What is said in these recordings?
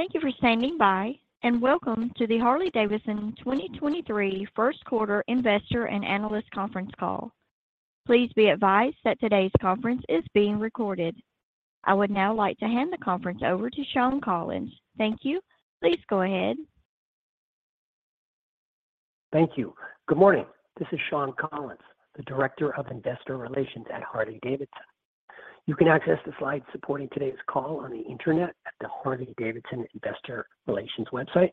Thank you for standing by, welcome to the Harley-Davidson 2023 first quarter investor and analyst conference call. Please be advised that today's conference is being recorded. I would now like to hand the conference over to Shawn Collins. Thank you. Please go ahead. Thank you. Good morning. This is Shawn Collins, the Director of Investor Relations at Harley-Davidson. You can access the slides supporting today's call on the Internet at the Harley-Davidson Investor Relations website.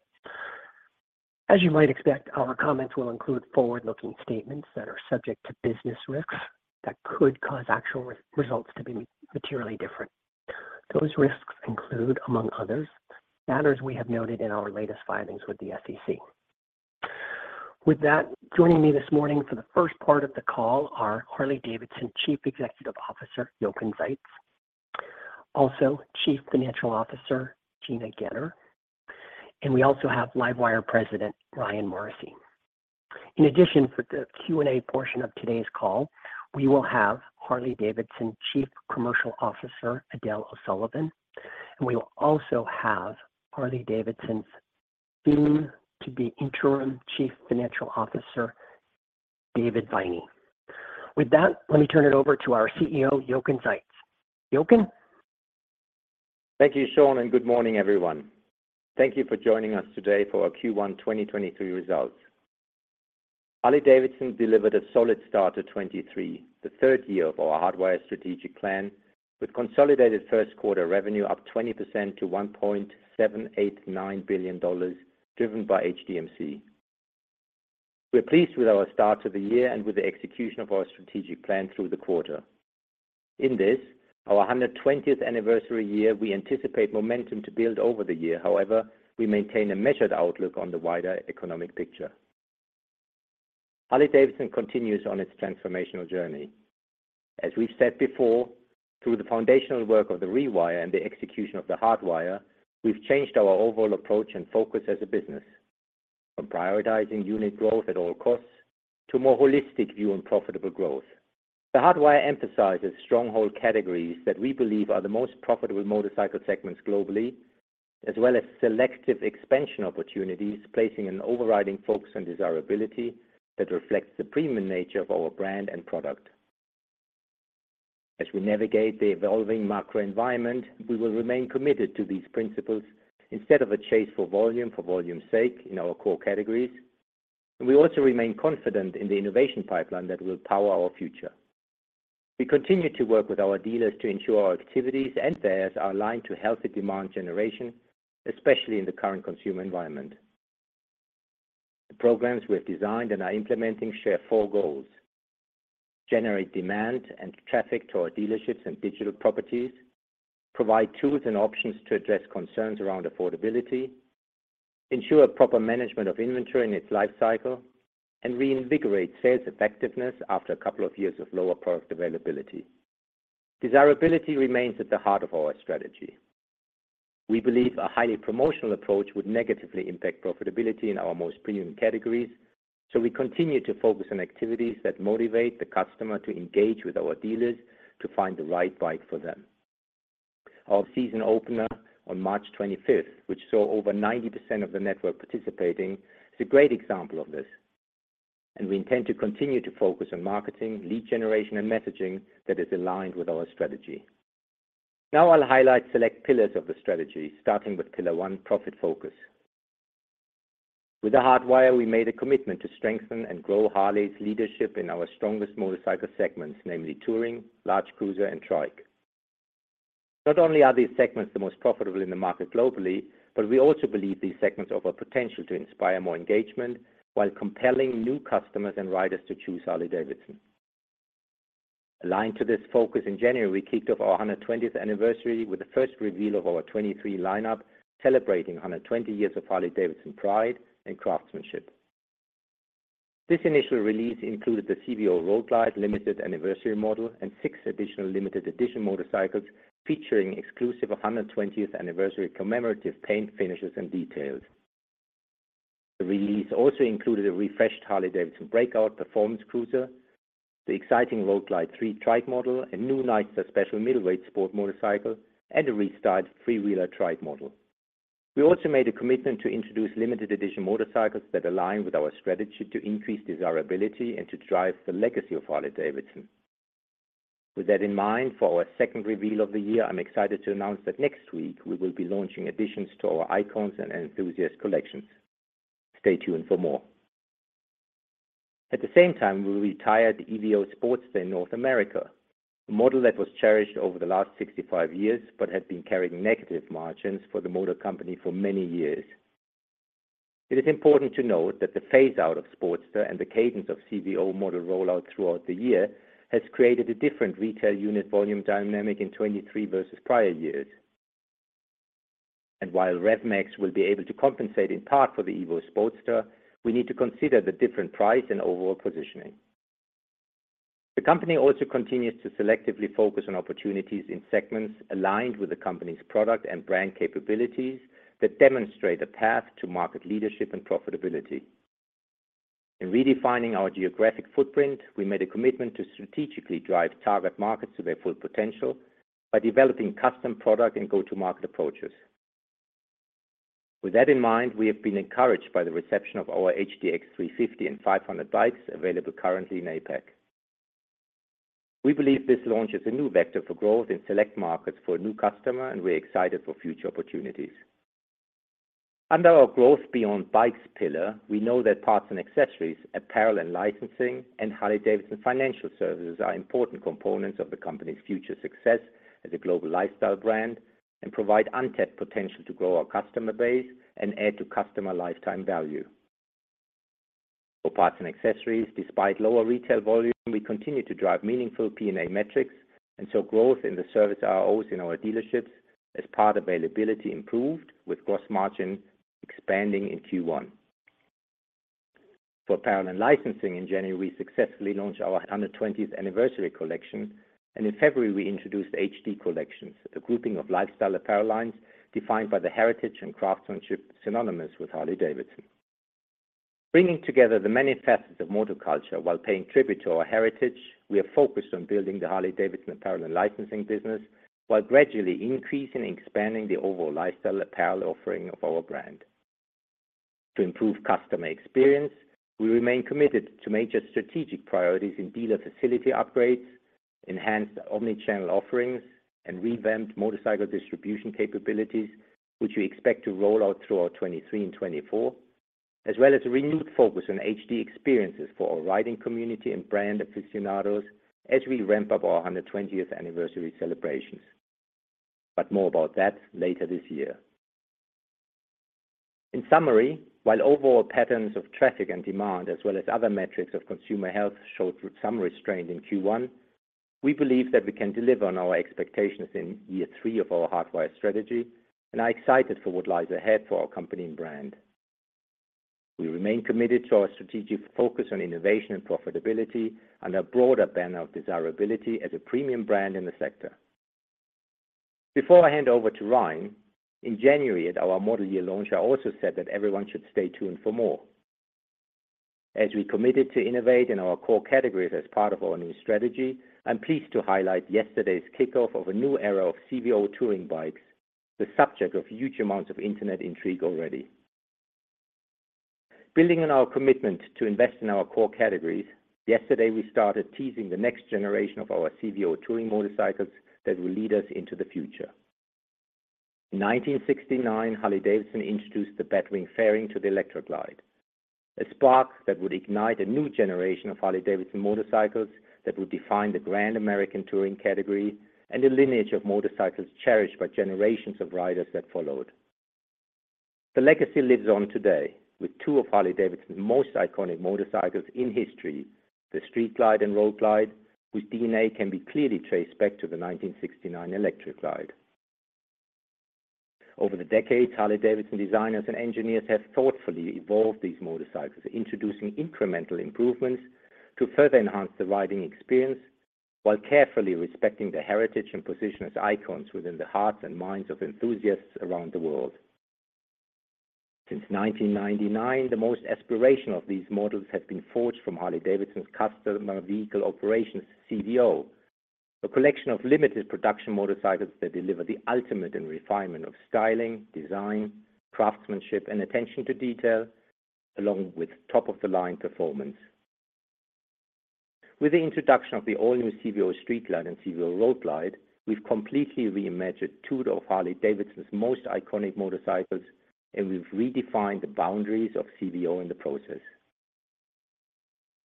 As you might expect, our comments will include forward-looking statements that are subject to business risks that could cause actual re-results to be materially different. Those risks include, among others, matters we have noted in our latest filings with the SEC. With that, joining me this morning for the first part of the call are Harley-Davidson Chief Executive Officer, Jochen Zeitz. Chief Financial Officer, Gina Goetter. We also have LiveWire President, Ryan Morrissey. In addition, for the Q&A portion of today's call, we will have Harley-Davidson Chief Commercial Officer, Edel O'Sullivan, and we will also have Harley-Davidson's soon-to-be Interim Chief Financial Officer, David Viney. With that, let me turn it over to our CEO, Jochen Zeitz. Jochen? Thank you, Shawn. Good morning, everyone. Thank you for joining us today for our Q1 2023 results. Harley-Davidson delivered a solid start to 23, the third year of our Hardwire strategic plan, with consolidated first quarter revenue up 20% to $1.789 billion, driven by HDMC. We're pleased with our start to the year and with the execution of our strategic plan through the quarter. In this, our 120th anniversary year, we anticipate momentum to build over the year. However, we maintain a measured outlook on the wider economic picture. Harley-Davidson continues on its transformational journey. As we've said before, through the foundational work of the Rewire and the execution of the Hardwire, we've changed our overall approach and focus as a business on prioritizing unit growth at all costs to a more holistic view on profitable growth. The Hardwire emphasizes stronghold categories that we believe are the most profitable motorcycle segments globally, as well as selective expansion opportunities, placing an overriding focus on desirability that reflects the premium nature of our brand and product. As we navigate the evolving macro environment, we will remain committed to these principles instead of a chase for volume for volume's sake in our core categories. We also remain confident in the innovation pipeline that will power our future. We continue to work with our dealers to ensure our activities and fairs are aligned to healthy demand generation, especially in the current consumer environment. The programs we have designed and are implementing share four goals: generate demand and traffic to our dealerships and digital properties, provide tools and options to address concerns around affordability, ensure proper management of inventory in its life cycle, and reinvigorate sales effectiveness after a couple of years of lower product availability. Desirability remains at the heart of our strategy. We believe a highly promotional approach would negatively impact profitability in our most premium categories. We continue to focus on activities that motivate the customer to engage with our dealers to find the right bike for them. Our season opener on March 25th, which saw over 90% of the network participating, is a great example of this. We intend to continue to focus on marketing, lead generation, and messaging that is aligned with our strategy. I'll highlight select pillars of the strategy, starting with pillar one, profit focus. With the Hardwire, we made a commitment to strengthen and grow Harley's leadership in our strongest motorcycle segments, namely touring, large cruiser, and trike. Not only are these segments the most profitable in the market globally, we also believe these segments offer potential to inspire more engagement while compelling new customers and riders to choose Harley-Davidson. Aligned to this focus, in January, we kicked off our 120th anniversary with the first reveal of our 2023 lineup, celebrating 120 years of Harley-Davidson pride and craftsmanship. This initial release included the CVO Road Glide Limited Anniversary Model and six additional limited edition motorcycles featuring exclusive 120th anniversary commemorative paint finishes and details. The release also included a refreshed Harley-Davidson Breakout performance cruiser, the exciting Road Glide 3 trike model, a new Nightster Special middleweight sport motorcycle, and a restyled Freewheeler trike model. We also made a commitment to introduce limited edition motorcycles that align with our strategy to increase desirability and to drive the legacy of Harley-Davidson. With that in mind, for our second reveal of the year, I'm excited to announce that next week we will be launching additions to our Icons and Enthusiast collections. Stay tuned for more. At the same time, we retired the Evo Sportster in North America, a model that was cherished over the last 65 years but had been carrying negative margins for the motor company for many years. It is important to note that the phase-out of Sportster and the cadence of CVO model rollout throughout the year has created a different retail unit volume dynamic in 23 versus prior years. While Rev Max will be able to compensate in part for the Evo Sportster, we need to consider the different price and overall positioning. The company also continues to selectively focus on opportunities in segments aligned with the company's product and brand capabilities that demonstrate a path to market leadership and profitability. In redefining our geographic footprint, we made a commitment to strategically drive target markets to their full potential by developing custom product and go-to-market approaches. With that in mind, we have been encouraged by the reception of our HDX 350 and 500 bikes available currently in APAC. We believe this launch is a new vector for growth in select markets for a new customer, and we're excited for future opportunities. Under our growth beyond bikes pillar, we know that parts and accessories, apparel and licensing, and Harley-Davidson Financial Services are important components of the company's future success as a global lifestyle brand and provide untapped potential to grow our customer base and add to customer lifetime value. For parts and accessories, despite lower retail volume, we continue to drive meaningful P&A metrics, and saw growth in the service ROs in our dealerships as part availability improved with gross margin expanding in Q1. For apparel and licensing in January, we successfully launched our 120th anniversary collection, and in February, we introduced H-D Collections, a grouping of lifestyle apparel lines defined by the heritage and craftsmanship synonymous with Harley-Davidson. Bringing together the many facets of motor culture while paying tribute to our heritage, we are focused on building the Harley-Davidson apparel and licensing business while gradually increasing and expanding the overall lifestyle apparel offering of our brand. To improve customer experience, we remain committed to major strategic priorities in dealer facility upgrades, enhanced omni-channel offerings, and revamped motorcycle distribution capabilities, which we expect to roll out throughout 2023 and 2024, as well as a renewed focus on HD experiences for our riding community and brand aficionados as we ramp up our 120th anniversary celebrations. More about that later this year. In summary, while overall patterns of traffic and demand as well as other metrics of consumer health showed some restraint in Q1, we believe that we can deliver on our expectations in year three of our Hardwire strategy and are excited for what lies ahead for our company and brand. We remain committed to our strategic focus on innovation and profitability and a broader banner of desirability as a premium brand in the sector. Before I hand over to Ryan, in January at our model year launch, I also said that everyone should stay tuned for more. We committed to innovate in our core categories as part of our new strategy, I'm pleased to highlight yesterday's kickoff of a new era of CVO touring bikes, the subject of huge amounts of Internet intrigue already. Building on our commitment to invest in our core categories, yesterday, we started teasing the next generation of our CVO touring motorcycles that will lead us into the future. In 1969, Harley-Davidson introduced the Batwing fairing to the Electra Glide, a spark that would ignite a new generation of Harley-Davidson motorcycles that would define the Grand American Touring category and a lineage of motorcycles cherished by generations of riders that followed. The legacy lives on today with two of Harley-Davidson's most iconic motorcycles in history, the Street Glide and Road Glide, whose DNA can be clearly traced back to the 1969 Electra Glide. Over the decades, Harley-Davidson designers and engineers have thoughtfully evolved these motorcycles, introducing incremental improvements to further enhance the riding experience while carefully respecting the heritage and position as icons within the hearts and minds of enthusiasts around the world. Since 1999, the most aspirational of these models have been forged from Harley-Davidson's Custom Vehicle Operations, CVO, a collection of limited production motorcycles that deliver the ultimate in refinement of styling, design, craftsmanship, and attention to detail, along with top-of-the-line performance. With the introduction of the all-new CVO Street Glide and CVO Road Glide, we've completely reimagined two of Harley-Davidson's most iconic motorcycles, and we've redefined the boundaries of CVO in the process.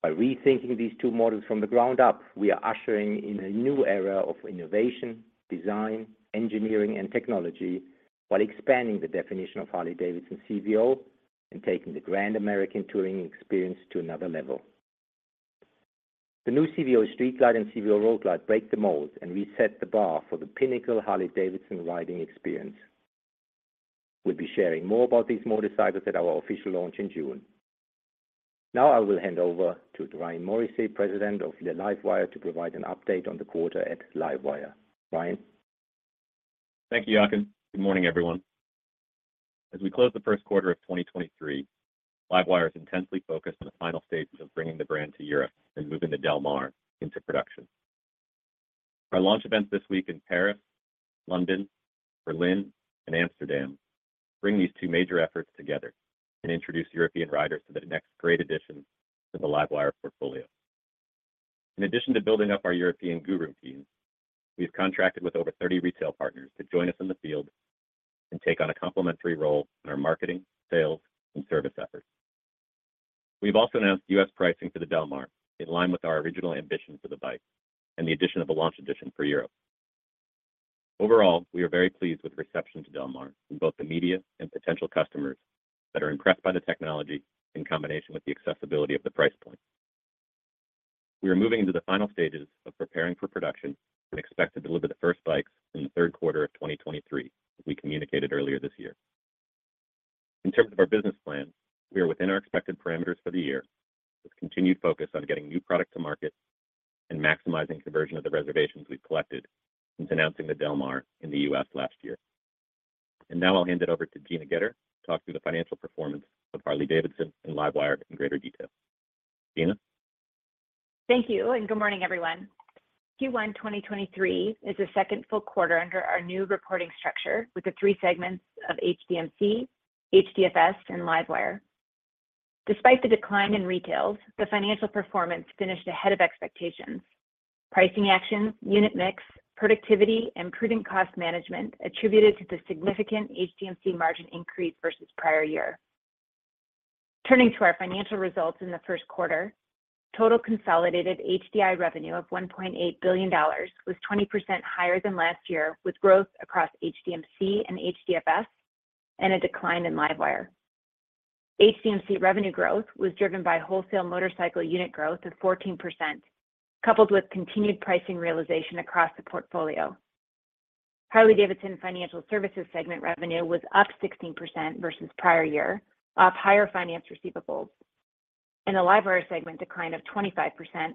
By rethinking these two models from the ground up, we are ushering in a new era of innovation, design, engineering, and technology while expanding the definition of Harley-Davidson CVO and taking the Grand American Touring experience to another level. The new CVO Street Glide and CVO Road Glide break the mold and reset the bar for the pinnacle Harley-Davidson riding experience. We'll be sharing more about these motorcycles at our official launch in June. I will hand over to Ryan Morrissey, president of LiveWire, to provide an update on the quarter at LiveWire. Ryan? Thank you, Jochen. Good morning, everyone. As we close the first quarter of 2023, LiveWire is intensely focused on the final stages of bringing the brand to Europe and moving the Del Mar into production. Our launch events this week in Paris, London, Berlin, and Amsterdam bring these two major efforts together and introduce European riders to the next great addition to the LiveWire portfolio. In addition to building up our European Guru team, we have contracted with over 30 retail partners to join us in the field and take on a complementary role in our marketing, sales, and service efforts. We've also announced U.S. pricing for the Del Mar in line with our original ambition for the bike and the addition of a Launch Edition for Europe. Overall, we are very pleased with reception to Del Mar from both the media and potential customers that are impressed by the technology in combination with the accessibility of the price point. We are moving into the final stages of preparing for production and expect to deliver the first bikes in the third quarter of 2023, as we communicated earlier this year. In terms of our business plan, we are within our expected parameters for the year, with continued focus on getting new product to market and maximizing conversion of the reservations we've collected since announcing the Del Mar in the U.S. last year. Now I'll hand it over to Gina Goetter to talk through the financial performance of Harley-Davidson and LiveWire in greater detail. Gina? Thank you. Good morning, everyone. Q1 2023 is the second full quarter under our new reporting structure with the three segments of HDMC, HDFS, and LiveWire. Despite the decline in retails, the financial performance finished ahead of expectations. Pricing actions, unit mix, productivity, and prudent cost management attributed to the significant HDMC margin increase versus prior year. Turning to our financial results in the first quarter, total consolidated HDI revenue of $1.8 billion was 20% higher than last year, with growth across HDMC and HDFS and a decline in LiveWire. HDMC revenue growth was driven by wholesale motorcycle unit growth of 14%, coupled with continued pricing realization across the portfolio. Harley-Davidson Financial Services segment revenue was up 16% versus prior year, up higher finance receivables. In the LiveWire segment, decline of 25%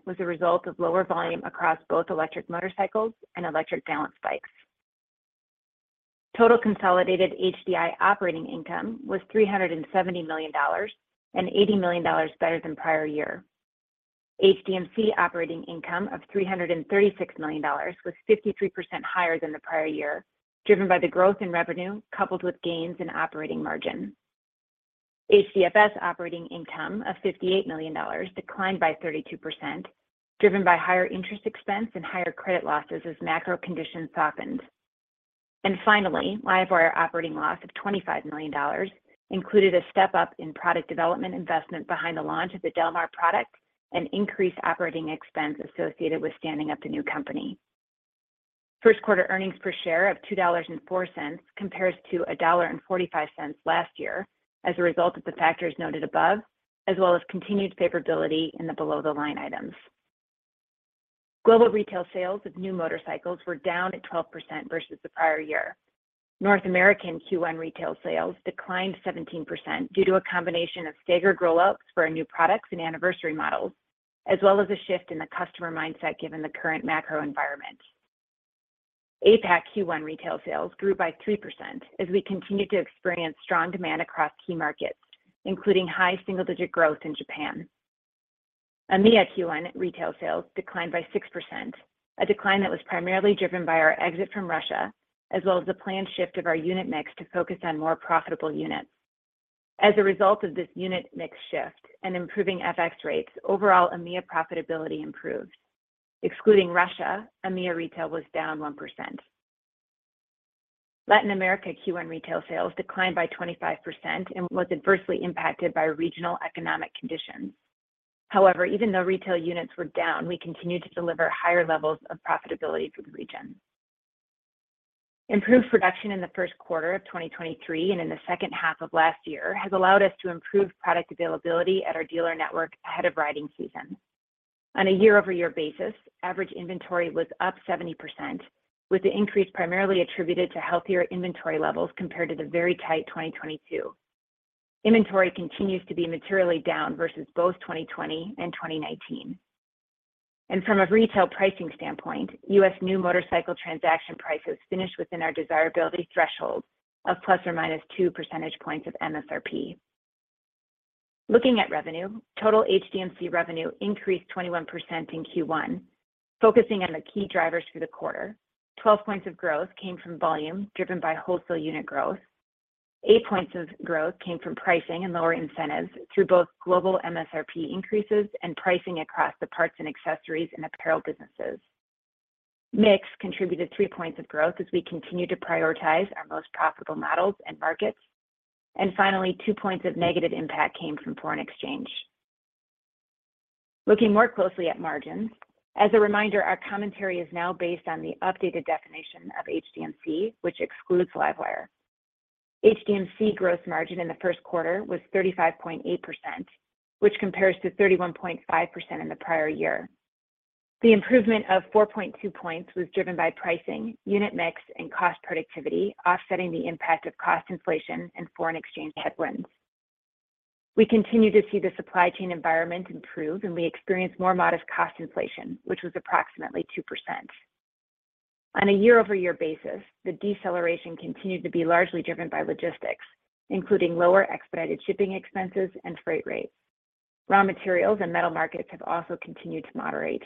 was a result of lower volume across both electric motorcycles and electric balance bikes. Total consolidated HDI operating income was $370 million and $80 million better than prior year. HDMC operating income of $336 million was 53% higher than the prior year, driven by the growth in revenue coupled with gains in operating margin. HDFS operating income of $58 million declined by 32%, driven by higher interest expense and higher credit losses as macro conditions softened. Finally, LiveWire operating loss of $25 million included a step-up in product development investment behind the launch of the Del Mar product and increased operating expense associated with standing up the new company. First quarter earnings per share of $2.04 compares to $1.45 last year as a result of the factors noted above, as well as continued favorability in the below-the-line items. Global retail sales of new motorcycles were down at 12% versus the prior year. North American Q1 retail sales declined 17% due to a combination of staggered rollouts for our new products and anniversary models, as well as a shift in the customer mindset given the current macro environment. APAC Q1 retail sales grew by 3% as we continued to experience strong demand across key markets, including high single-digit growth in Japan. EMEA Q1 retail sales declined by 6%, a decline that was primarily driven by our exit from Russia, as well as the planned shift of our unit mix to focus on more profitable units. As a result of this unit mix shift and improving FX rates, overall EMEA profitability improved. Excluding Russia, EMEA retail was down 1%. Latin America Q1 retail sales declined by 25% and was adversely impacted by regional economic conditions. Even though retail units were down, we continued to deliver higher levels of profitability for the region. Improved production in the first quarter of 2023 and in the second half of last year has allowed us to improve product availability at our dealer network ahead of riding season. On a year-over-year basis, average inventory was up 70%, with the increase primarily attributed to healthier inventory levels compared to the very tight 2022. Inventory continues to be materially down versus both 2020 and 2019. From a retail pricing standpoint, U.S. new motorcycle transaction prices finished within our desirability threshold of ±2 percentage points of MSRP. Looking at revenue, total HDMC revenue increased 21% in Q1, focusing on the key drivers through the quarter. 12 points of growth came from volume, driven by wholesale unit growth. 8 points of growth came from pricing and lower incentives through both global MSRP increases and pricing across the parts and accessories and apparel businesses. Mix contributed 3 points of growth as we continued to prioritize our most profitable models and markets. Finally, 2 points of negative impact came from foreign exchange. Looking more closely at margins, as a reminder, our commentary is now based on the updated definition of HDMC, which excludes LiveWire. HDMC gross margin in the first quarter was 35.8%, which compares to 31.5% in the prior year. The improvement of 4.2 points was driven by pricing, unit mix, and cost productivity, offsetting the impact of cost inflation and foreign exchange headwinds. We continue to see the supply chain environment improve, and we experienced more modest cost inflation, which was approximately 2%. On a year-over-year basis, the deceleration continued to be largely driven by logistics, including lower expedited shipping expenses and freight rates. Raw materials and metal markets have also continued to moderate.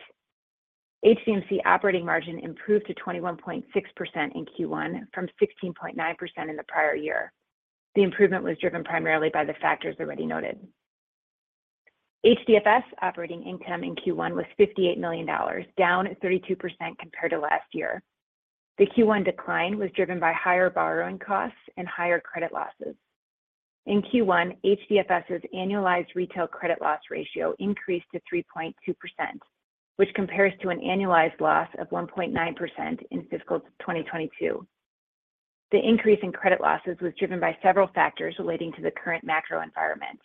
HDMC operating margin improved to 21.6% in Q1 from 16.9% in the prior year. The improvement was driven primarily by the factors already noted. HDFS operating income in Q1 was $58 million, down at 32% compared to last year. The Q1 decline was driven by higher borrowing costs and higher credit losses. In Q1, HDFS's annualized retail credit loss ratio increased to 3.2%, which compares to an annualized loss of 1.9% in fiscal 2022. The increase in credit losses was driven by several factors relating to the current macro environment.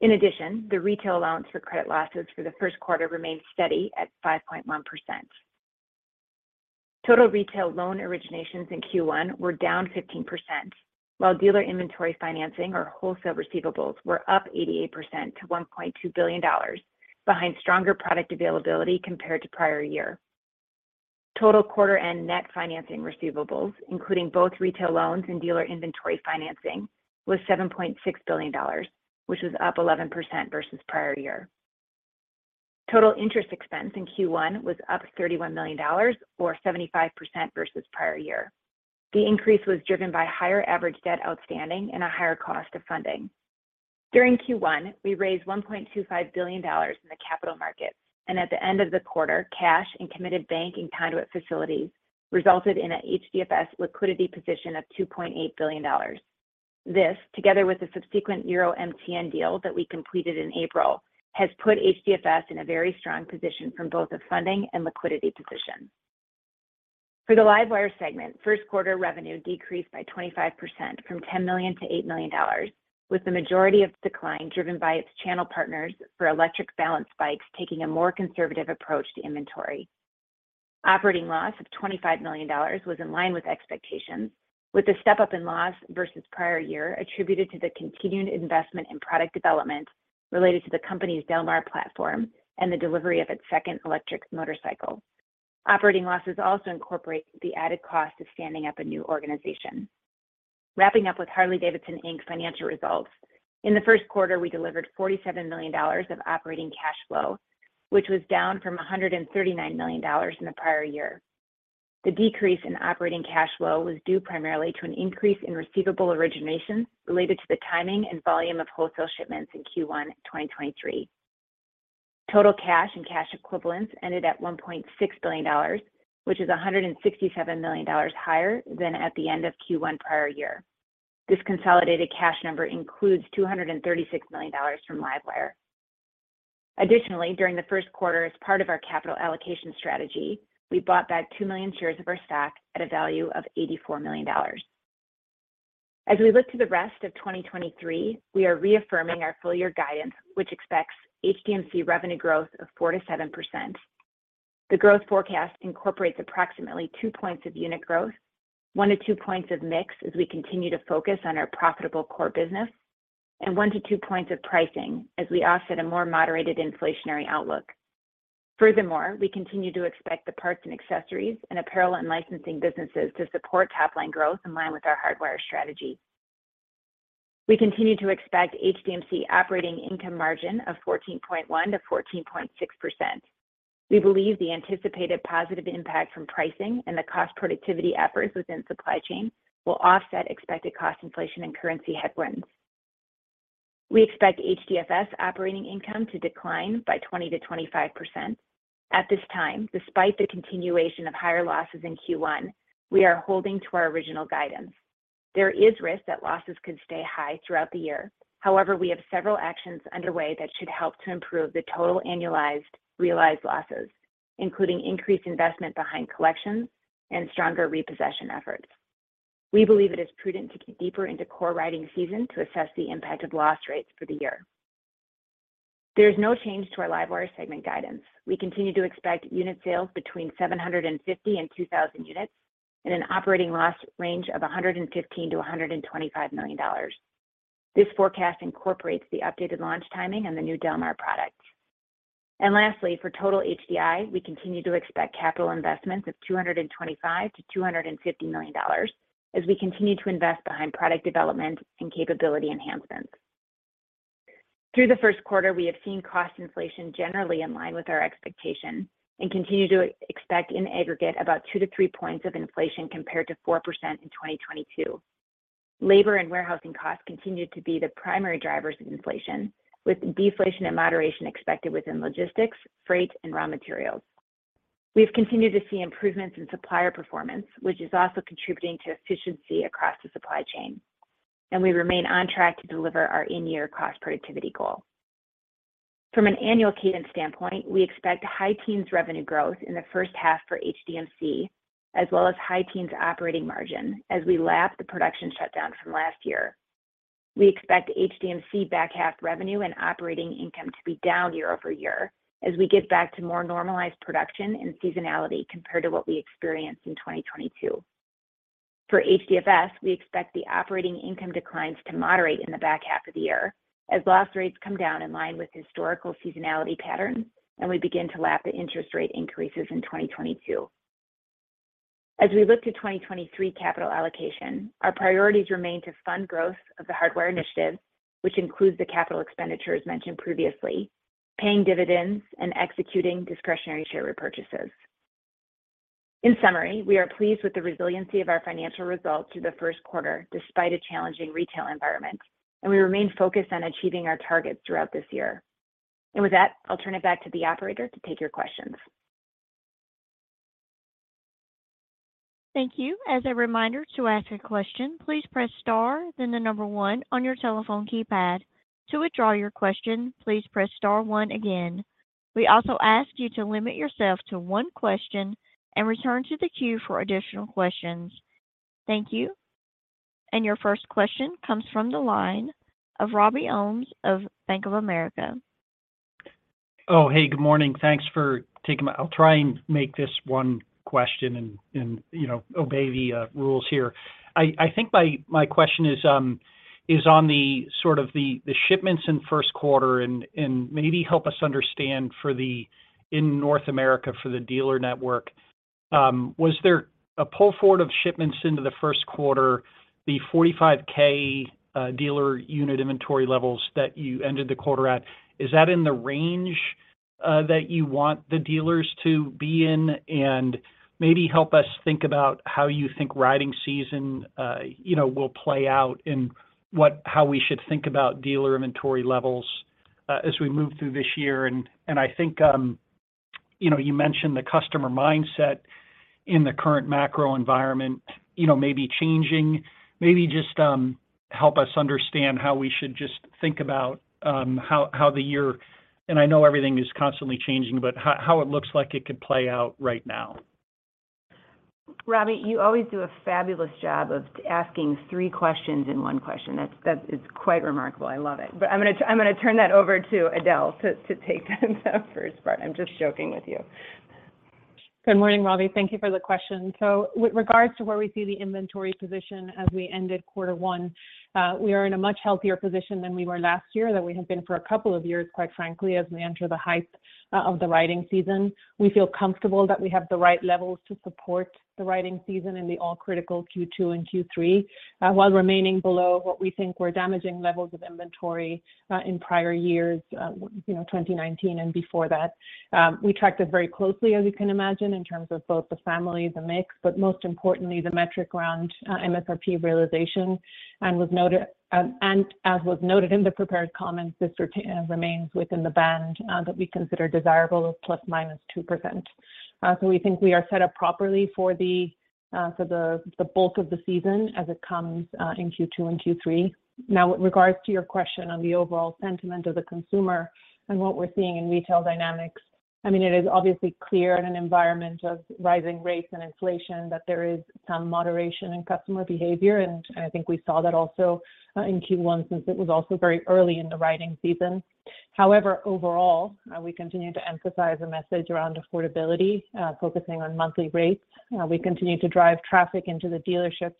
In addition, the retail allowance for credit losses for the first quarter remained steady at 5.1%. Total retail loan originations in Q1 were down 15%. While dealer inventory financing or wholesale receivables were up 88% to $1.2 billion behind stronger product availability compared to prior year. Total quarter and net financing receivables, including both retail loans and dealer inventory financing, was $7.6 billion, which was up 11% versus prior year. Total interest expense in Q1 was up $31 million or 75% versus prior year. The increase was driven by higher average debt outstanding and a higher cost of funding. During Q1, we raised $1.25 billion in the capital markets, and at the end of the quarter, cash and committed bank and conduit facilities resulted in a HDFS liquidity position of $2.8 billion. This, together with the subsequent Euro MTN deal that we completed in April, has put HDFS in a very strong position from both a funding and liquidity position. For the LiveWire segment, first quarter revenue decreased by 25% from $10 million-$8 million, with the majority of decline driven by its channel partners for electric balance bikes taking a more conservative approach to inventory. Operating loss of $25 million was in line with expectations, with the step-up in loss versus prior year attributed to the continuing investment in product development related to the company's Del Mar platform and the delivery of its second electric motorcycle. Operating losses also incorporate the added cost of standing up a new organization. Wrapping up with Harley-Davidson, Inc. financial results. In the first quarter, we delivered $47 million of operating cash flow, which was down from $139 million in the prior year. The decrease in operating cash flow was due primarily to an increase in receivable originations related to the timing and volume of wholesale shipments in Q1 2023. Total cash and cash equivalents ended at $1.6 billion, which is $167 million higher than at the end of Q1 prior year. This consolidated cash number includes $236 million from LiveWire. Additionally, during the first quarter, as part of our capital allocation strategy, we bought back 2 million shares of our stock at a value of $84 million. As we look to the rest of 2023, we are reaffirming our full year guidance, which expects HDMC revenue growth of 4%-7%. The growth forecast incorporates approximately 2 points of unit growth, 1-2 points of mix as we continue to focus on our profitable core business, and 1-2 points of pricing as we offset a more moderated inflationary outlook. We continue to expect the parts and accessories and apparel and licensing businesses to support top line growth in line with our Hardwire strategy. We continue to expect HDMC operating income margin of 14.1%-14.6%. We believe the anticipated positive impact from pricing and the cost productivity efforts within supply chain will offset expected cost inflation and currency headwinds. We expect HDFS operating income to decline by 20%-25%. At this time, despite the continuation of higher losses in Q1, we are holding to our original guidance. There is risk that losses could stay high throughout the year. However, we have several actions underway that should help to improve the total annualized realized losses, including increased investment behind collections and stronger repossession efforts. We believe it is prudent to get deeper into core riding season to assess the impact of loss rates for the year. There is no change to our LiveWire segment guidance. We continue to expect unit sales between 750 and 2,000 units and an operating loss range of $115 million-$125 million. This forecast incorporates the updated launch timing on the new Del Mar products. Lastly, for total HDI, we continue to expect capital investments of $225 million-$250 million as we continue to invest behind product development and capability enhancements. Through the first quarter, we have seen cost inflation generally in line with our expectation and continue to expect in aggregate about 2-3 points of inflation compared to 4% in 2022. Labor and warehousing costs continue to be the primary drivers of inflation, with deflation and moderation expected within logistics, freight, and raw materials. We've continued to see improvements in supplier performance, which is also contributing to efficiency across the supply chain, and we remain on track to deliver our in-year cost productivity goal. From an annual cadence standpoint, we expect high-teens revenue growth in the first half for HDMC, as well as high teens operating margin as we lap the production shutdown from last year. We expect HDMC back half revenue and operating income to be down year-over-year as we get back to more normalized production and seasonality compared to what we experienced in 2022. For HDFS, we expect the operating income declines to moderate in the back half of the year as loss rates come down in line with historical seasonality patterns, and we begin to lap the interest rate increases in 2022. As we look to 2023 capital allocation, our priorities remain to fund growth of the Hardwire initiative, which includes the capital expenditures mentioned previously, paying dividends, and executing discretionary share repurchases. In summary, we are pleased with the resiliency of our financial results through the first quarter despite a challenging retail environment. We remain focused on achieving our targets throughout this year. With that, I'll turn it back to the operator to take your questions. Thank you. As a reminder to ask a question, please press star, then the number one on your telephone keypad. To withdraw your question, please press star one again. We also ask you to limit yourself to one question and return to the queue for additional questions. Thank you. Your first question comes from the line of Robbie Ohmes of Bank of America. Hey, good morning. Thanks for taking my. I'll try and make this one question and, you know, obey the rules here. I think my question is on the sort of the shipments in first quarter and maybe help us understand in North America for the dealer network, was there a pull forward of shipments into the first quarter, the 45K dealer unit inventory levels that you ended the quarter at? Is that in the range that you want the dealers to be in? Maybe help us think about how you think riding season, you know, will play out and how we should think about dealer inventory levels as we move through this year. I think, you know, you mentioned the customer mindset in the current macro environment, you know, may be changing. Maybe just help us understand how we should just think about how the year, and I know everything is constantly changing, but how it looks like it could play out right now. Robbie, you always do a fabulous job of asking three questions in one question. That is quite remarkable. I love it. I'm gonna turn that over to Edel to take the first part. I'm just joking with you. Good morning, Robbie. Thank you for the question. With regards to where we see the inventory position as we ended Q1, we are in a much healthier position than we were last year, than we have been for two years, quite frankly, as we enter the height of the riding season. We feel comfortable that we have the right levels to support the riding season in the all-critical Q2 and Q3, while remaining below what we think were damaging levels of inventory in prior years, you know, 2019 and before that. We tracked it very closely, as you can imagine, in terms of both the families and mix, but most importantly, the metric around MSRP realization. Was noted, and as was noted in the prepared comments, this remains within the band that we consider desirable of ±2%. We think we are set up properly for the bulk of the season as it comes in Q2 and Q3. With regards to your question on the overall sentiment of the consumer and what we're seeing in retail dynamics, I mean, it is obviously clear in an environment of rising rates and inflation that there is some moderation in customer behavior, and I think we saw that also in Q1 since it was also very early in the riding season. Overall, we continue to emphasize a message around affordability, focusing on monthly rates. We continue to drive traffic into the dealerships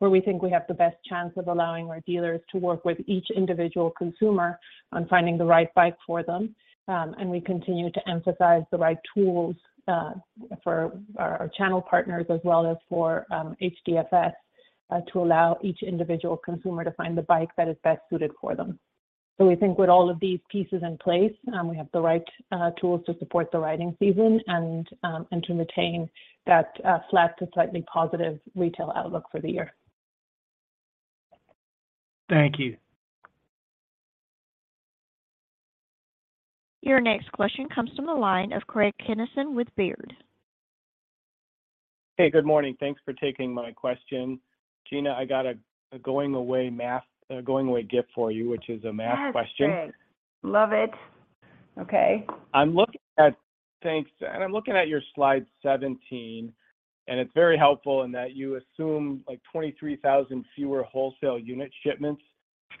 where we think we have the best chance of allowing our dealers to work with each individual consumer on finding the right bike for them. We continue to emphasize the right tools for our channel partners as well as for HDFS to allow each individual consumer to find the bike that is best suited for them. We think with all of these pieces in place, we have the right tools to support the riding season and to maintain that flat to slightly positive retail outlook for the year. Thank you. Your next question comes from the line of Craig Kennison with Baird. Hey, good morning. Thanks for taking my question. Gina, I got a going away gift for you, which is a math question. Yes, Craig. Love it. Okay. Thanks. I'm looking at your slide 17, and it's very helpful in that you assume, like, 23,000 fewer wholesale unit shipments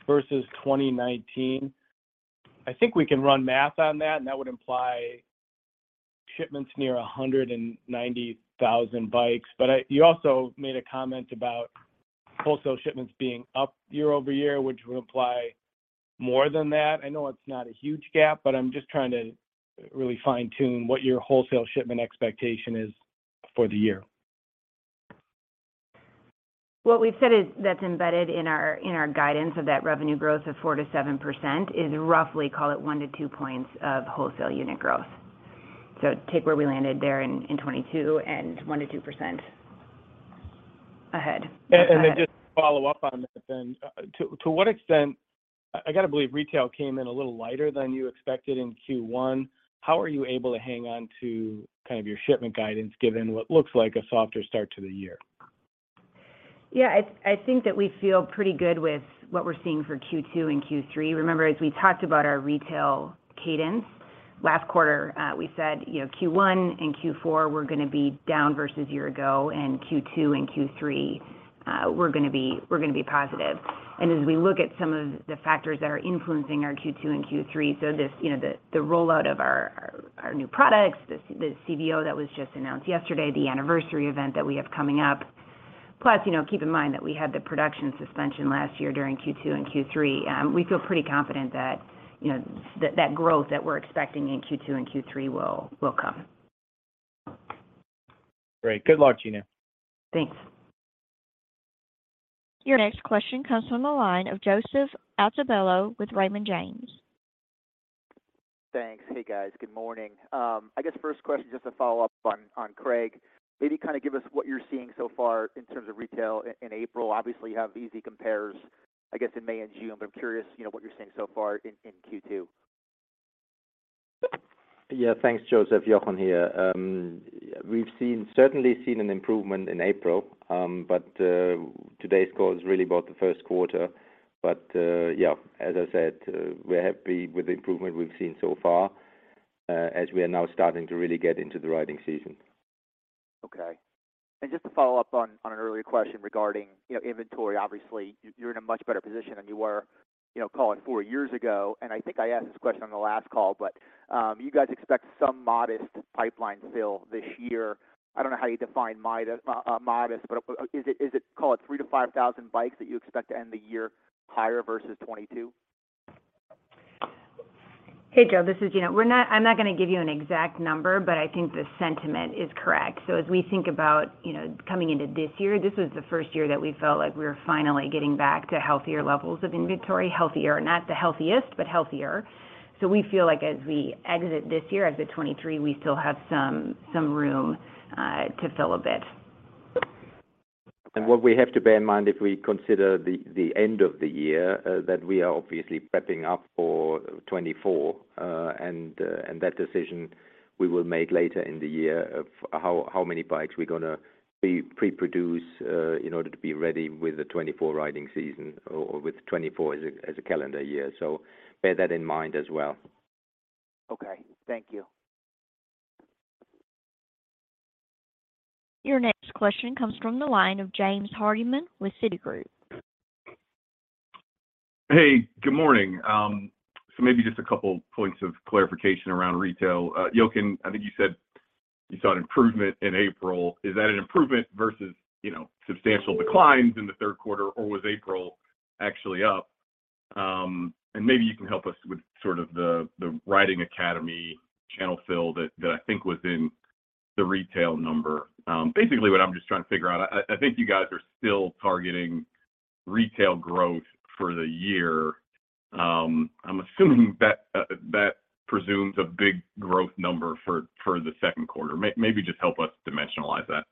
versus 2019. I think we can run math on that, and that would imply shipments near 190,000 bikes. You also made a comment about wholesale shipments being up year-over-year, which would imply more than that. I know it's not a huge gap, but I'm just trying to really fine-tune what your wholesale shipment expectation is for the year. What we've said is that's embedded in our, in our guidance of that revenue growth of 4%-7% is roughly, call it, 1-2 points of wholesale unit growth. Take where we landed there in 2022 and 1%-2% ahead. Go ahead. Just follow up on that then. To what extent... I gotta believe retail came in a little lighter than you expected in Q1. How are you able to hang on to kind of your shipment guidance given what looks like a softer start to the year? I think that we feel pretty good with what we're seeing for Q2 and Q3. Remember, as we talked about our retail cadence last quarter, we said, you know, Q1 and Q4 were gonna be down versus year-ago, and Q2 and Q3 were gonna be positive. As we look at some of the factors that are influencing our Q2 and Q3, so you know, the rollout of our new products, the CVO that was just announced yesterday, the anniversary event that we have coming up. You know, keep in mind that we had the production suspension last year during Q2 and Q3. We feel pretty confident that, you know, that growth that we're expecting in Q2 and Q3 will come. Great. Good luck, Gina. Thanks. Your next question comes from the line of Joseph Altobello with Raymond James. Thanks. Hey, guys. Good morning. I guess first question, just to follow up on Craig, maybe kind of give us what you're seeing so far in terms of retail in April. Obviously, you have easy compares, I guess, in May and June, but I'm curious, you know, what you're seeing so far in Q2. Thanks, Joseph. Jochen here. Certainly seen an improvement in April. Today's call is really about the first quarter. As I said, we're happy with the improvement we've seen so far, as we are now starting to really get into the riding season. Okay. Just to follow up on an earlier question regarding, you know, inventory. Obviously, you're in a much better position than you were, you know, call it four years ago. I think I asked this question on the last call, but you guys expect some modest pipeline fill this year. I don't know how you define modest, but is it, call it 3,000-5,000 bikes that you expect to end the year higher versus 2022? Hey, Joe, this is Gina. I'm not gonna give you an exact number, but I think the sentiment is correct. As we think about, you know, coming into this year, this is the first year that we felt like we were finally getting back to healthier levels of inventory. Healthier, not the healthiest, but healthier. We feel like as we exit this year, exit 2023, we still have some room to fill a bit. What we have to bear in mind if we consider the end of the year, that we are obviously prepping up for 2024. And that decision we will make later in the year of how many bikes we're gonna be pre-produce, in order to be ready with the 2024 riding season or with 2024 as a calendar year. Bear that in mind as well. Okay. Thank you. Your next question comes from the line of James Hardiman with Citigroup. Hey, good morning. Maybe just a couple points of clarification around retail. Jochen, I think you said you saw an improvement in April. Is that an improvement versus, you know, substantial declines in the third quarter, or was April actually up? Maybe you can help us with sort of the Riding Academy channel fill that I think was in the retail number? Basically what I'm just trying to figure out, I think you guys are still targeting retail growth for the year. I'm assuming that presumes a big growth number for the second quarter. Maybe just help us dimensionalize that?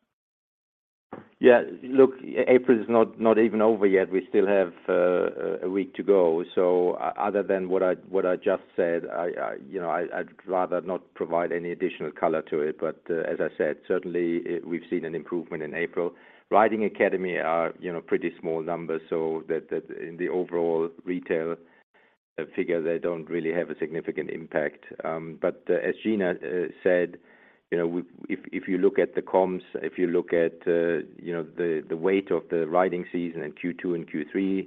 Yeah. Look, April is not even over yet. We still have a week to go. Other than what I just said, I, you know, I'd rather not provide any additional color to it. As I said, certainly, we've seen an improvement in April. Riding Academy are, you know, pretty small numbers, so that in the overall retail figure, they don't really have a significant impact. As Gina said, you know, if you look at the comps, if you look at, you know, the weight of the riding season in Q2 and Q3,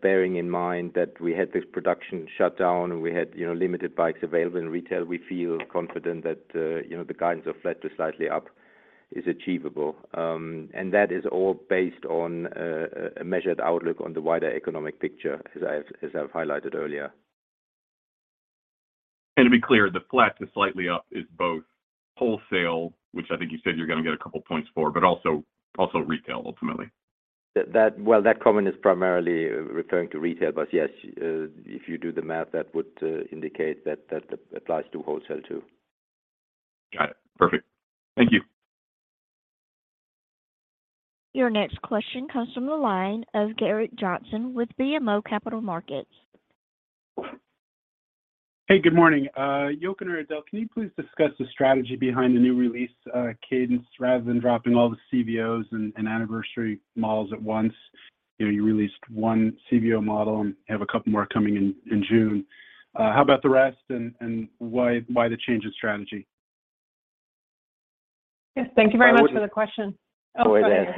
bearing in mind that we had this production shut down and we had, you know, limited bikes available in retail. We feel confident that, you know, the guidance of flat to slightly up is achievable. That is all based on a measured outlook on the wider economic picture, as I've highlighted earlier. To be clear, the flat to slightly up is both wholesale, which I think you said you're going to get a couple points for, but also retail ultimately. That, well, that comment is primarily referring to retail. Yes, if you do the math, that would indicate that that applies to wholesale too. Got it. Perfect. Thank you. Your next question comes from the line of Gerrick Johnson with BMO Capital Markets. Good morning. Jochen or Edel, can you please discuss the strategy behind the new release cadence, rather than dropping all the CVOs and anniversary models at once? You know, you released one CVO model and have a couple more coming in June. How about the rest and why the change in strategy? Yes, thank you very much for the question. Go ahead.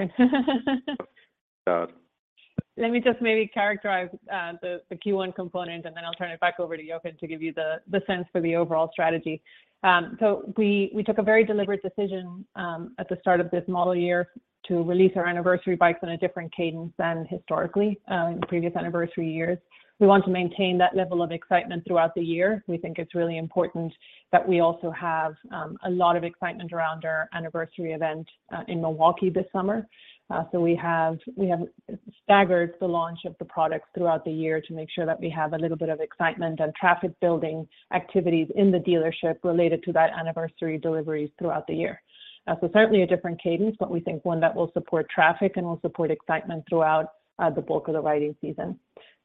Let me just maybe characterize the Q1 component. Then I'll turn it back over to Jochen to give you the sense for the overall strategy. We took a very deliberate decision at the start of this model year to release our anniversary bikes on a different cadence than historically in previous anniversary years. We want to maintain that level of excitement throughout the year. We think it's really important that we also have a lot of excitement around our anniversary event in Milwaukee this summer. We have staggered the launch of the products throughout the year to make sure that we have a little bit of excitement and traffic building activities in the dealership related to that anniversary deliveries throughout the year. Certainly a different cadence, but we think one that will support traffic and will support excitement throughout the bulk of the riding season.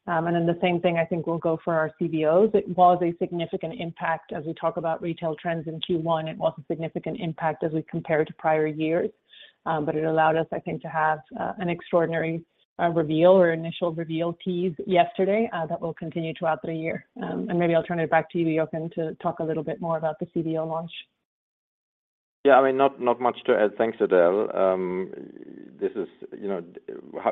The same thing I think will go for our CVOs. It was a significant impact as we talk about retail trends in Q1. It was a significant impact as we compare to prior years. It allowed us, I think, to have an extraordinary reveal or initial reveal tease yesterday that will continue throughout the year. Maybe I'll turn it back to you, Jochen, to talk a little bit more about the CVO launch. Yeah. I mean, not much to add. Thanks, Edel. This is, you know,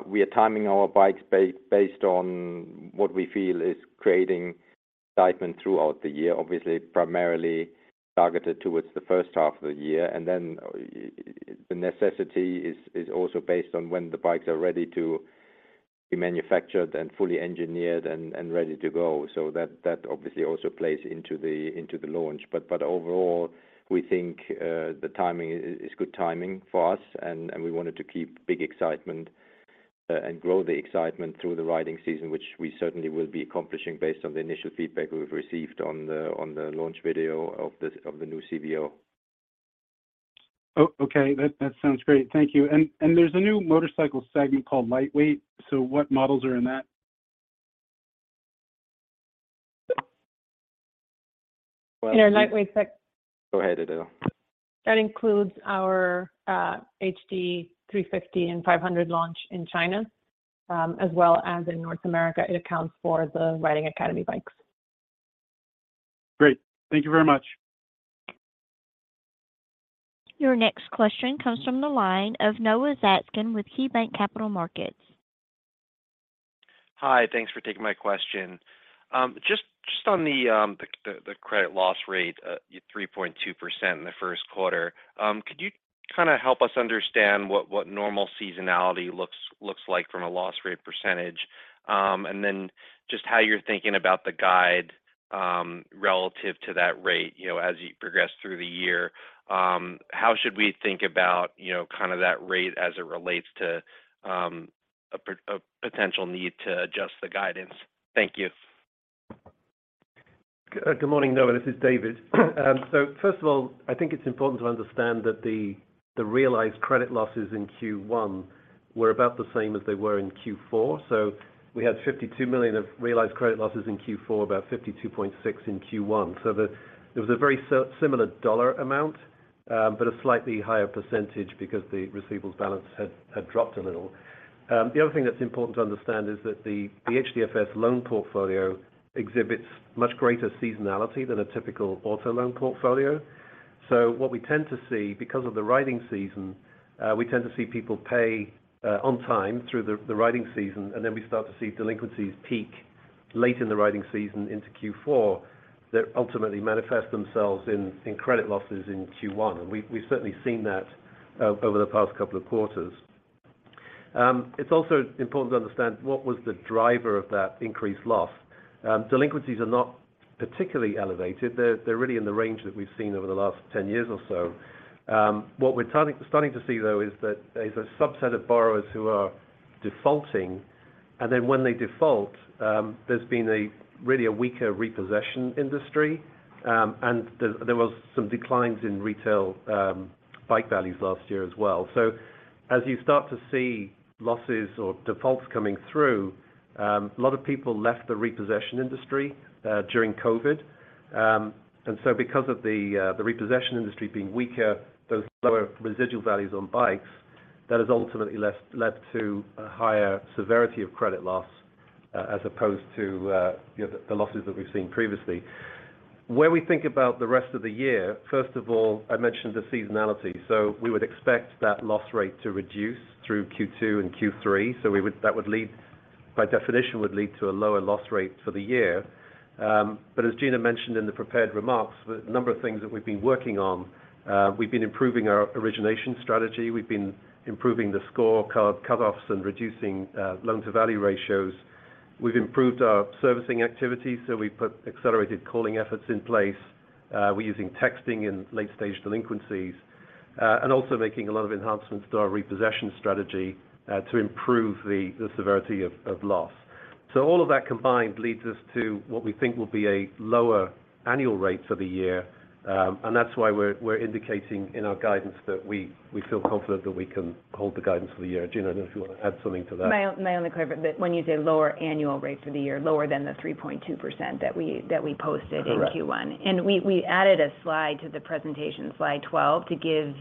we are timing our bikes based on what we feel is creating excitement throughout the year, obviously primarily targeted towards the first half of the year. The necessity is also based on when the bikes are ready to be manufactured and fully engineered and ready to go. That obviously also plays into the launch. Overall, we think the timing is good timing for us, and we wanted to keep big excitement and grow the excitement through the riding season, which we certainly will be accomplishing based on the initial feedback we've received on the launch video of the new CVO. Okay. That sounds great. Thank you. There's a new motorcycle segment called lightweight. What models are in that? In our lightweight. Go ahead, Edel. That includes our X 350 and 500 launch in China, as well as in North America. It accounts for the Riding Academy bikes. Great. Thank you very much. Your next question comes from the line of Noah Zatzkin with KeyBanc Capital Markets. Hi. Thanks for taking my question. Just on the credit loss rate, 3.2% in the first quarter, could you kinda help us understand what normal seasonality looks like from a loss rate percentage? Then just how you're thinking about the guide relative to that rate, you know, as you progress through the year. How should we think about, you know, kind of that rate as it relates to a potential need to adjust the guidance? Thank you. Good morning, Noah. This is David. First of all, I think it's important to understand that the realized credit losses in Q1 were about the same as they were in Q4. We had $52 million of realized credit losses in Q4, about $52.6 million in Q1. It was a very similar dollar amount, but a slightly higher percentage because the receivables balance had dropped a little. The other thing that's important to understand is that the HDFS loan portfolio exhibits much greater seasonality than a typical auto loan portfolio. What we tend to see, because of the riding season, we tend to see people pay on time through the riding season, we start to see delinquencies peak late in the riding season into Q4 that ultimately manifest themselves in credit losses in Q1. We've certainly seen that over the past couple of quarters. It's also important to understand what was the driver of that increased loss. Delinquencies are not particularly elevated. They're really in the range that we've seen over the last 10 years or so. What we're starting to see though is that there's a subset of borrowers who are defaulting, when they default, there's been a really a weaker repossession industry, and there was some declines in retail bike values last year as well. As you start to see losses or defaults coming through, a lot of people left the repossession industry, during COVID. Because of the repossession industry being weaker, those lower residual values on bikes, that has ultimately less led to a higher severity of credit loss, as opposed to, you know, the losses that we've seen previously. When we think about the rest of the year, first of all, I mentioned the seasonality, we would expect that loss rate to reduce through Q2 and Q3. We would by definition, would lead to a lower loss rate for the year. As Gina mentioned in the prepared remarks, the number of things that we've been working on, we've been improving our origination strategy. We've been improving the scorecard cutoffs and reducing, loan-to-value ratios. We've improved our servicing activities, we put accelerated calling efforts in place. We're using texting in late-stage delinquencies, and also making a lot of enhancements to our repossession strategy to improve the severity of loss. All of that combined leads us to what we think will be a lower annual rate for the year, and that's why we're indicating in our guidance that we feel confident that we can hold the guidance for the year. Gina, I don't know if you want to add something to that. My own, my only caveat, that when you say lower annual rate for the year, lower than the 3.2% that we posted. Correct. in Q1. We added a slide to the presentation, slide 12, to give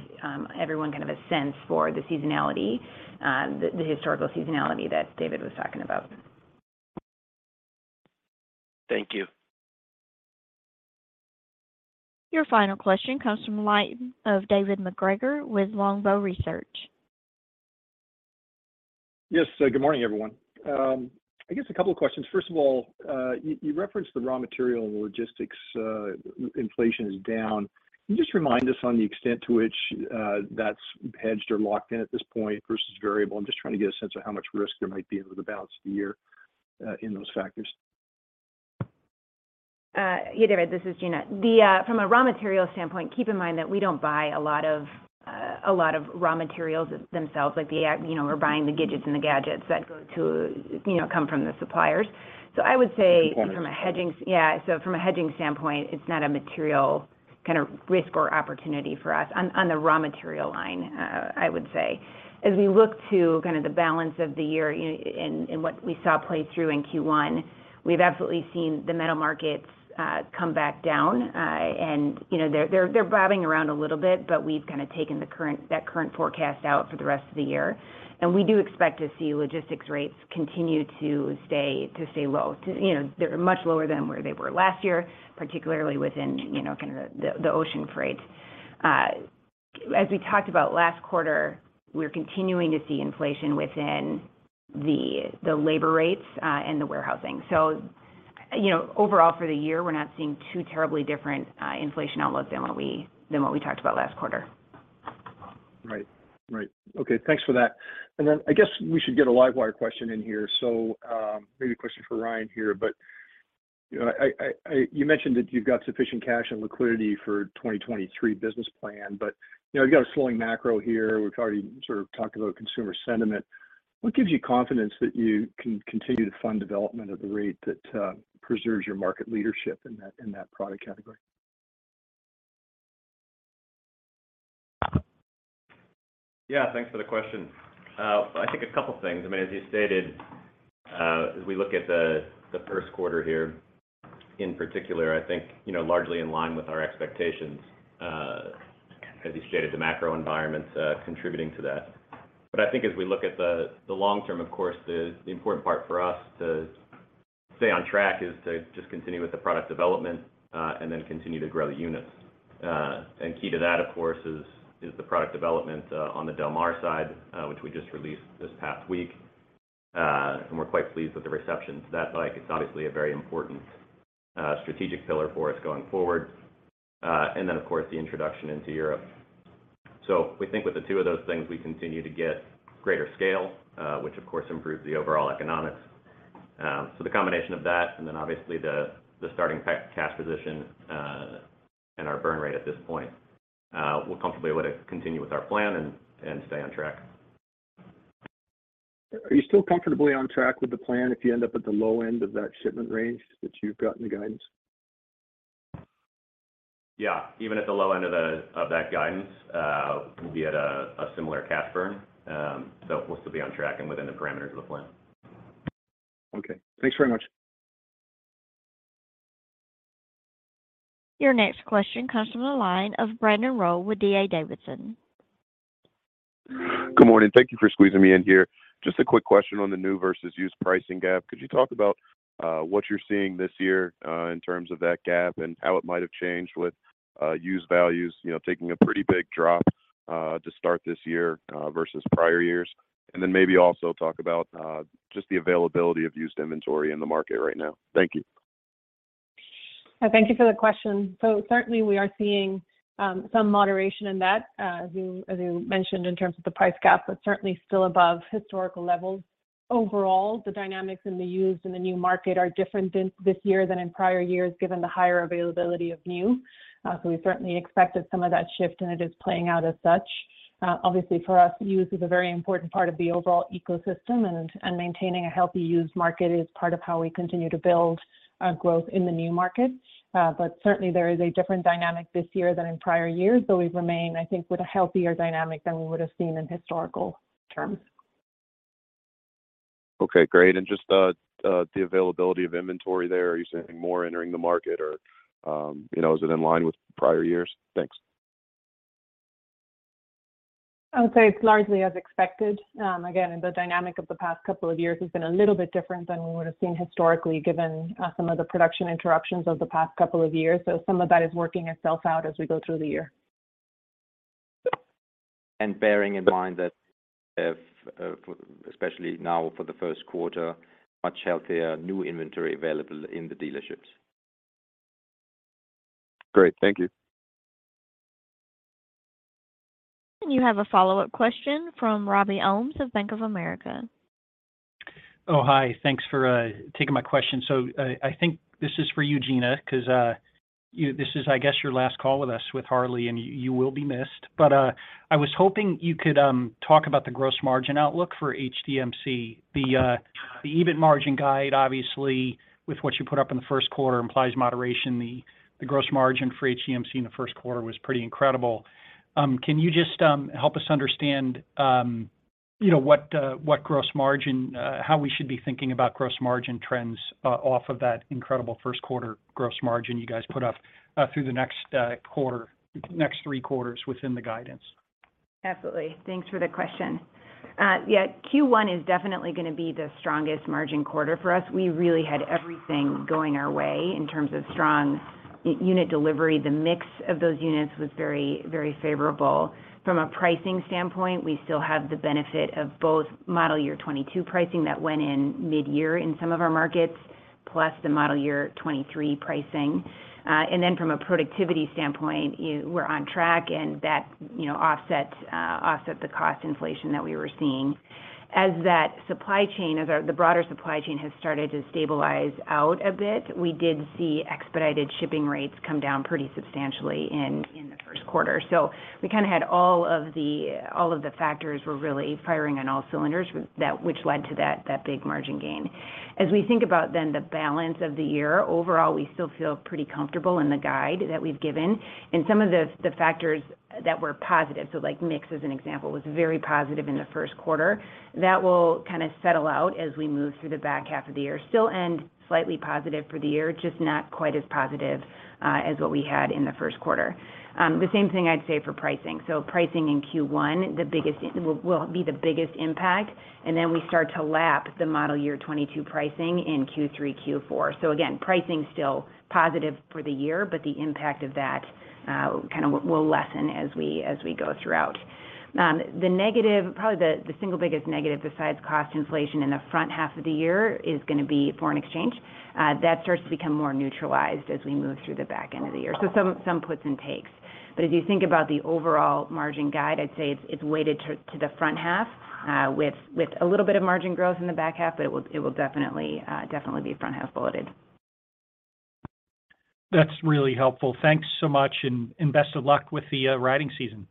everyone kind of a sense for the seasonality, the historical seasonality that David was talking about. Thank you. Your final question comes from the line of David MacGregor with Longbow Research. Yes. Good morning, everyone. I guess a couple of questions. First of all, you referenced the raw material and logistics inflation is down. Can you just remind us on the extent to which that's hedged or locked in at this point versus variable? I'm just trying to get a sense of how much risk there might be over the balance of the year in those factors. Yeah, David, this is Gina. The, from a raw material standpoint, keep in mind that we don't buy a lot of, a lot of raw materials themselves, like the, you know, we're buying the gidgets and the gadgets that go to, you know, come from the suppliers. I would say- The components. From a hedging standpoint, it's not a material kind of risk or opportunity for us on the raw material line, I would say. As we look to kind of the balance of the year and what we saw play through in Q1, we've absolutely seen the metal markets come back down. You know, they're bobbing around a little bit, but we've kind of taken the current, that current forecast out for the rest of the year. We do expect to see logistics rates continue to stay low. To, you know, they're much lower than where they were last year, particularly within, you know, kind of the ocean freight. As we talked about last quarter, we're continuing to see inflation within the labor rates and the warehousing. You know, overall for the year, we're not seeing two terribly different inflation outlooks than what we, than what we talked about last quarter. Right. Right. Okay. Thanks for that. I guess we should get a LiveWire question in here. Maybe a question for Ryan here. You know, you mentioned that you've got sufficient cash and liquidity for 2023 business plan, but, you know, you've got a slowing macro here. We've already sort of talked about consumer sentiment. What gives you confidence that you can continue to fund development at the rate that preserves your market leadership in that product category? Yeah. Thanks for the question. I think a couple of things. I mean, as you stated, as we look at the first quarter here in particular, I think, you know, largely in line with our expectations. As you stated, the macro environment's contributing to that. I think as we look at the long term, of course, the important part for us to stay on track is to just continue with the product development, and then continue to grow the units. Key to that, of course, is the product development on the Del Mar side, which we just released this past week. We're quite pleased with the reception to that. Like, it's obviously a very important strategic pillar for us going forward. Then of course, the introduction into Europe. We think with the two of those things, we continue to get greater scale, which of course improves the overall economics. The combination of that, and then obviously the starting cash position, and our burn rate at this point, we're comfortably able to continue with our plan and stay on track. Are you still comfortably on track with the plan if you end up at the low end of that shipment range that you've got in the guidance? Yeah. Even at the low end of the, of that guidance, we'll be at a similar cash burn. We'll still be on track and within the parameters of the plan. Okay. Thanks very much. Your next question comes from the line of Brandon Rollé with D.A. Davidson. Good morning. Thank you for squeezing me in here. Just a quick question on the new versus used pricing gap. Could you talk about what you're seeing this year in terms of that gap and how it might have changed with used values, you know, taking a pretty big drop to start this year versus prior years? Then maybe also talk about just the availability of used inventory in the market right now. Thank you. Thank you for the question. Certainly, we are seeing some moderation in that, as you, as you mentioned in terms of the price gap, but certainly still above historical levels. Overall, the dynamics in the used and the new market are different in this year than in prior years, given the higher availability of new. We certainly expected some of that shift, and it is playing out as such. Obviously for us, used is a very important part of the overall ecosystem and maintaining a healthy used market is part of how we continue to build growth in the new market. Certainly there is a different dynamic this year than in prior years, but we remain, I think with a healthier dynamic than we would've seen in historical terms. Okay, great. Just the availability of inventory there, are you seeing more entering the market or, you know, is it in line with prior years? Thanks. I would say it's largely as expected. Again, the dynamic of the past couple of years has been a little bit different than we would've seen historically, given some of the production interruptions of the past couple of years. Some of that is working itself out as we go through the year. Bearing in mind that if, especially now for the first quarter, much healthier new inventory available in the dealerships. Great. Thank you. You have a follow-up question from Robbie Ohmes of Bank of America. Hi. Thanks for taking my question. I think this is for you, Gina, 'cause this is, I guess your last call with us with Harley, and you will be missed. I was hoping you could talk about the gross margin outlook for HDMC. The EBIT margin guide, obviously with what you put up in the first quarter implies moderation. The gross margin for HDMC in the first quarter was pretty incredible. Can you just help us understand, you know, what gross margin, how we should be thinking about gross margin trends off of that incredible first quarter gross margin you guys put up through the next quarter, next three quarters within the guidance? Absolutely. Thanks for the question. Yeah, Q1 is definitely going to be the strongest margin quarter for us. We really had everything going our way in terms of strong unit delivery. The mix of those units was very, very favorable. From a pricing standpoint, we still have the benefit of both model year 2022 pricing that went in midyear in some of our markets, plus the model year 2023 pricing. And then from a productivity standpoint, we're on track and that, you know, offset the cost inflation that we were seeing. As that supply chain, the broader supply chain has started to stabilize out a bit, we did see expedited shipping rates come down pretty substantially in the first quarter. We kinda had all of the factors were really firing on all cylinders with that, which led to that big margin gain. As we think about then the balance of the year, overall, we still feel pretty comfortable in the guide that we've given and some of the factors that were positive, so like mix as an example, was very positive in the first quarter. That will kinda settle out as we move through the back half of the year. Still end slightly positive for the year, just not quite as positive as what we had in the first quarter. The same thing I'd say for pricing. Pricing in Q1 will be the biggest impact. Then we start to lap the model year 22 pricing in Q3, Q4. Again, pricing's still positive for the year, but the impact of that kinda will lessen as we go throughout. The negative, probably the single biggest negative besides cost inflation in the front half of the year is gonna be foreign exchange. That starts to become more neutralized as we move through the back end of the year. Some puts and takes, but if you think about the overall margin guide, I'd say it's weighted to the front half, with a little bit of margin growth in the back half, but it will definitely be front half loaded. That's really helpful. Thanks so much and best of luck with the riding season.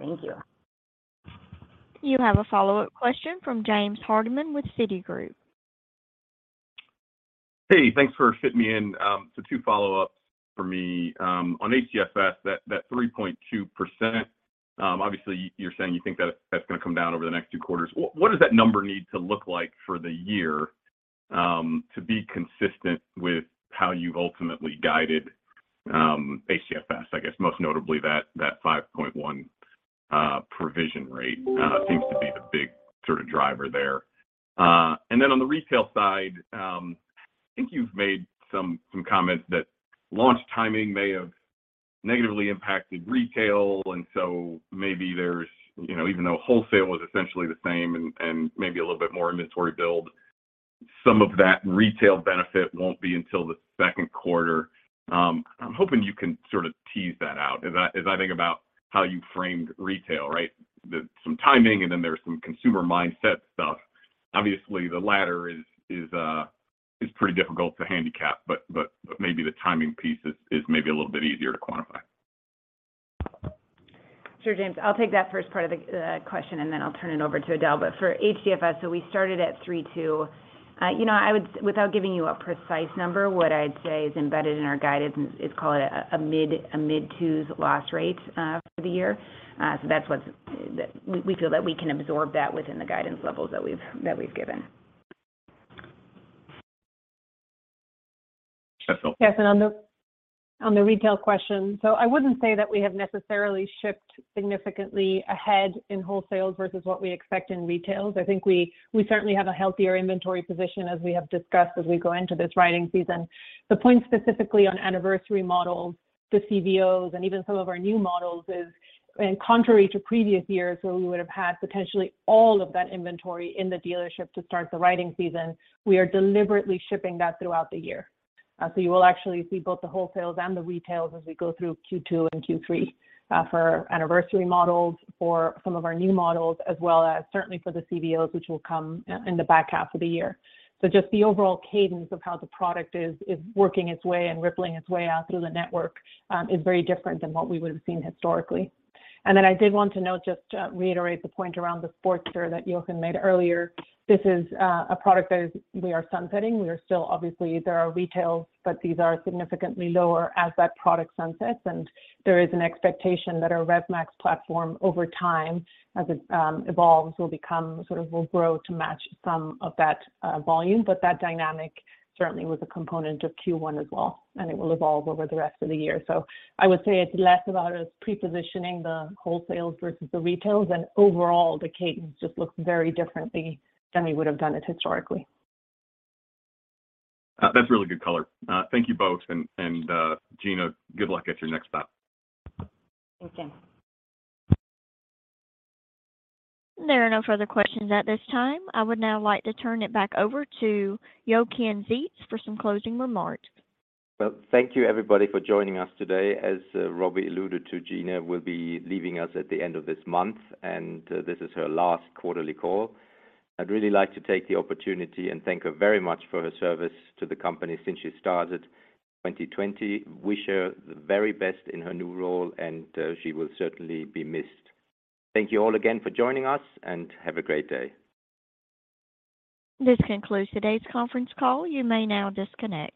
Thank you. You have a follow-up question from James Hardiman with Citigroup. Hey, thanks for fitting me in. Two follow-ups for me. On HDFS, that 3.2%, obviously you're saying you think that's gonna come down over the next two quarters. What does that number need to look like for the year? To be consistent with how you've ultimately guided HDFS, I guess most notably that 5.1% provision rate seems to be the big sort of driver there. On the retail side, I think you've made some comments that launch timing may have negatively impacted retail, maybe there's, you know, even though wholesale was essentially the same and maybe a little bit more inventory build, some of that retail benefit won't be until the second quarter. I'm hoping you can sort of tease that out as I think about how you framed retail, right? Some timing, and then there's some consumer mindset stuff. Obviously, the latter is pretty difficult to handicap, but maybe the timing piece is maybe a little bit easier to quantify. Sure, James. I'll take that first part of the question, then I'll turn it over to Edel. For HDFS, we started at 3.2%. You know, without giving you a precise number, what I'd say is embedded in our guidance is call it a mid 2's loss rate for the year. We feel that we can absorb that within the guidance levels that we've given. Edel. Yes, on the retail question. I wouldn't say that we have necessarily shipped significantly ahead in wholesale versus what we expect in retail. I think we certainly have a healthier inventory position, as we have discussed, as we go into this riding season. The point specifically on anniversary models, the CVOs, and even some of our new models is, and contrary to previous years where we would have had potentially all of that inventory in the dealership to start the riding season, we are deliberately shipping that throughout the year. You will actually see both the wholesales and the retails as we go through Q2 and Q3 for anniversary models, for some of our new models, as well as certainly for the CVOs, which will come in the back half of the year. Just the overall cadence of how the product is working its way and rippling its way out through the network, is very different than what we would've seen historically. Then I did want to note, just to reiterate the point around the Sportster that Jochen made earlier, this is a product that is we are sunsetting. We are still, obviously there are retails, but these are significantly lower as that product sunsets, and there is an expectation that our RevMax platform over time, as it evolves, will become, sort of will grow to match some of that volume. That dynamic certainly was a component of Q1 as well, and it will evolve over the rest of the year. I would say it's less about us pre-positioning the wholesales versus the retails, and overall the cadence just looks very differently than we would've done it historically. That's really good color. Thank you both. Gina, good luck at your next stop. Thank you. There are no further questions at this time. I would now like to turn it back over to Jochen Zeitz for some closing remarks. Thank you everybody for joining us today. As Robbie alluded to, Gina will be leaving us at the end of this month, and this is her last quarterly call. I'd really like to take the opportunity and thank her very much for her service to the company since she started 2020. Wish her the very best in her new role, and she will certainly be missed. Thank you all again for joining us, and have a great day. This concludes today's conference call. You may now disconnect.